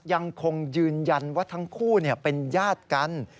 ยังคงยืนยันว่าทั้งคู่เป็นญาติกัน